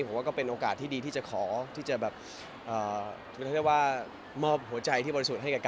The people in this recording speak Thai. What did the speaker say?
ผมว่าก็เป็นโอกาสที่ดีที่จะขอที่จะแบบเมาะหัวใจที่บริสุทธิ์ให้กับกันเลย